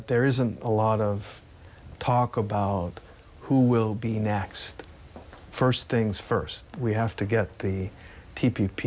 แต่ในการรับประโยชน์มีความสมบัติให้ใครที่สามารถ